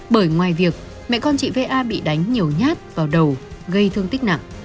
bởi ngoài việc mẹ con chị va bị đánh nhiều nhát vào đầu gây thương tích nặng